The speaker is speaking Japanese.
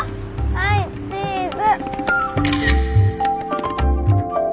はいチーズ！